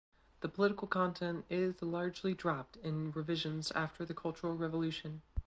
The political content is largely dropped in revisions after the Cultural Revolution.